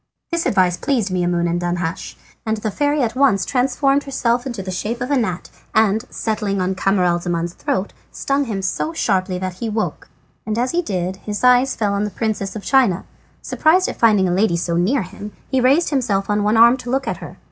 This advice pleased Maimoune and Danhasch, and the fairy at once transformed herself into the shape of a gnat and settling on Camaralzaman's throat stung him so sharply that he awoke. As he did so his eyes fell on the Princess of China. Surprised at finding a lady so near him, he raised himself on one arm to look at her.